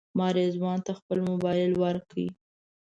ما رضوان ته خپل موبایل ورکړ.